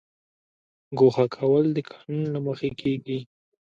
ګوښه کول د قانون له مخې کیږي